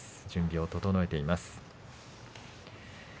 準備を整えています。